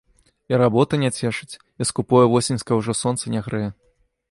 І работа не цешыць, і скупое восеньскае ўжо сонца не грэе.